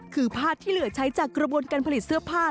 คือผ้าที่เหลือใช้จากกระบวนการผลิตเสื้อผ้า